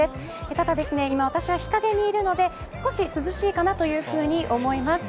ただ、今私は日陰にいるので少し涼しいかなと思います。